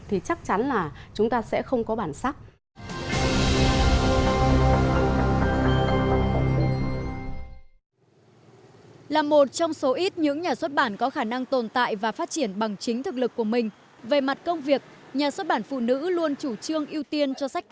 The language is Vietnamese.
thì chắc chắn là chúng ta sẽ không có bản sắc